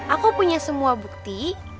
aku punya semua bukti